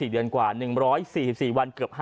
๔เดือนกว่า๑๔๔วันเกือบ๕เดือนแล้วเนี่ย